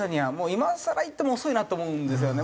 今更言っても遅いなと思うんですよね。